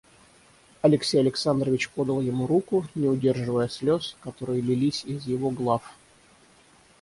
Алексей Александрович подал ему руку, не удерживая слез, которые лились из его глав.